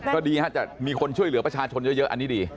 ก็ดีฮะจะมีคนช่วยเหลือประชาชนเยอะอันนี้ดี